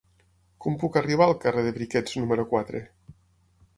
Com puc arribar al carrer de Briquets número quatre?